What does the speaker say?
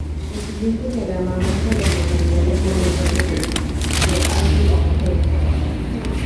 El siguiente diagrama muestra a las localidades en un radio de de Ashley Heights.